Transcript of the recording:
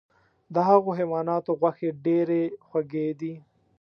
د هغو حیواناتو غوښې ډیرې خوږې دي .